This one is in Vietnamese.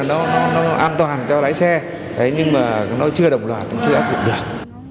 biết là nó an toàn cho lái xe nhưng mà nó chưa đồng loạt nó chưa áp dụng được